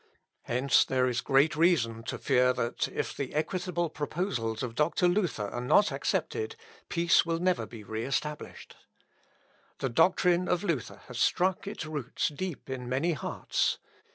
Hence, there is great reason to fear that, if the equitable proposals of Doctor Luther are not accepted, peace will never be re established. The doctrine of Luther has struck its roots deep in many hearts.